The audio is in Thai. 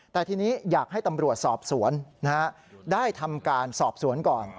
แต่ทีนี้อยากให้ตำรวจสอบสวนได้ทำการสอบสวนก่อน